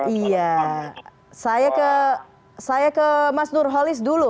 iya saya ke mas nurholis dulu